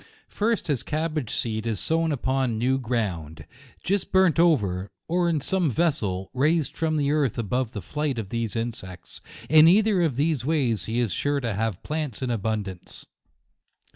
First, his cab bage seed is sown upon new ground, just burnt over, or in some vessel, raised from the earth, above the flight of these insects; in either of these ways he is sure to have plants in abundance.